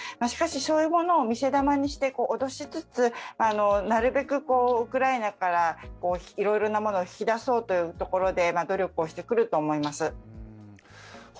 しかし、そういうものを見せ弾にして脅しつつなるべくウクライナからいろいろなものを引きだそうというところで努力をしてくると思います。